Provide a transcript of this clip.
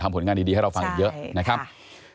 ผลงานดีให้เราฟังเยอะนะครับ